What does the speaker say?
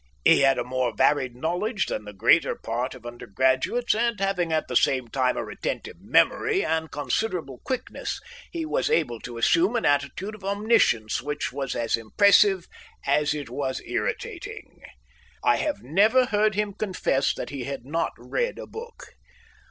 He had a more varied knowledge than the greater part of undergraduates, and, having at the same time a retentive memory and considerable quickness, he was able to assume an attitude of omniscience which was as impressive as it was irritating. I have never heard him confess that he had not read a book.